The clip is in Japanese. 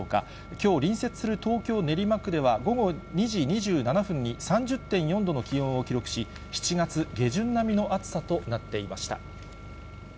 きょう、隣接する東京・練馬区では午後２時２７分に３０．４度の気温を記録し、７月下旬並みの暑さとなっていました。